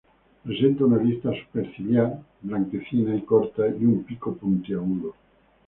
Presenta una lista superciliar blanquecina y corta, y un pico puntiagudo.